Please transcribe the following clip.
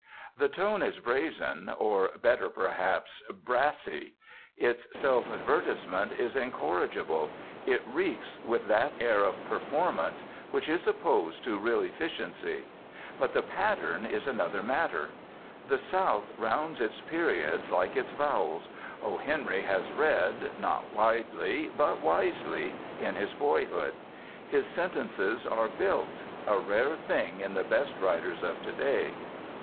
The tone is brazen, or, better perhaps, brassy; its self advertisement is incorrigible; it reeks with that air of performance which is opposed to real efficiency. But the pattern is another matter. The South rounds its periods like its vowels; O. Henry has read, not widely, but wisely, in his boyhood. His sentences are built a rare thing in the best writers of to day.